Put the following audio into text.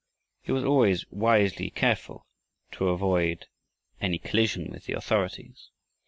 He was always wisely careful to avoid any collision with the authorities.